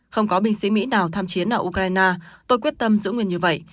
không có binh sĩ mỹ nào tham chiến ở ukraine tôi quyết tâm giữ nguyên như vậy